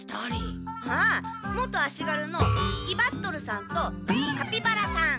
ああ元足軽のいばっとるさんとカピバラさん。